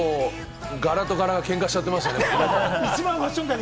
柄と柄がけんかしちゃってましたね。